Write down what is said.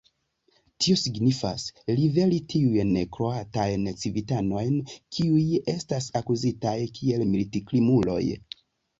Tio signifas: liveri tiujn kroatajn civitanojn, kiuj estas akuzitaj kiel militkrimuloj.